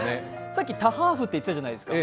さっきタハーフって言ってたじゃないですか。